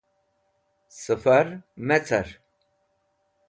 Sẽfar me car